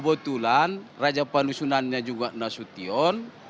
kebetulan raja panusunannya juga nasution